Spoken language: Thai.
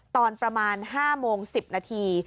ตอนประมาณ๕โมง๑๐นาที